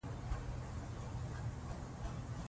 د پارکینسن ناروغان له لړزې سره مخ وي.